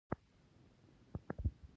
خپله تنهايي مې ژړله…